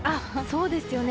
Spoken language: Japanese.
そうですよね。